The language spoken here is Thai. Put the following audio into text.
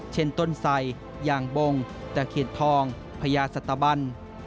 เช่นต้นไสอย่างบงตะเขียนทองพญาสตบัน